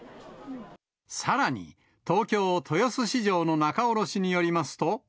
さらに、東京・豊洲市場の仲卸によりますと。